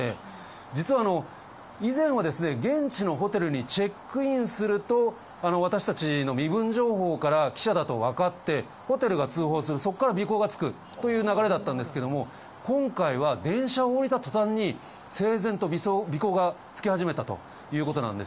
実は以前はですね、現地のホテルにチェックインすると、私たちの身分情報から記者だと分かって、ホテルが通報する、そこから尾行がつくという流れだったんですけれども、今回は、電車を降りたとたんに、整然と尾行がつき始めたということなんです。